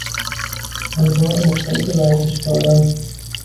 انواع مختلف ورزشکاران